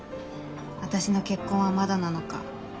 「私の結婚はまだなのか」